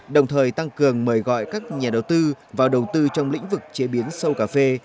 đồng thời tăng cường mời gọi các nhà đầu tư vào đầu tư trong lĩnh vực chế biến sâu cà phê